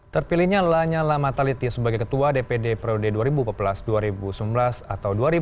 jadi ini adalah yang terakhir dari pertanyaan dari pak anissa